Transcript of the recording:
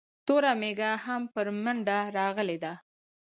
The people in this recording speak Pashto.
توره مېږه هم پر مينده راغلې ده